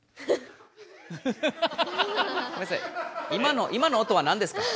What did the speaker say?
今の今の音は何ですか？